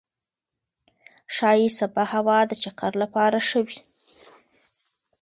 ښايي سبا هوا د چکر لپاره ښه وي.